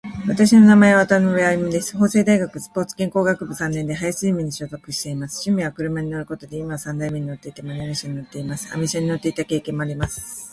私の名前は渡辺歩です。法政大学スポーツ健康学部三年で林ゼミに所属しています。趣味は車に乗ることで、今は三台目に乗っていて、マニュアル車に乗っています。アメ車に乗っていた経験もあります。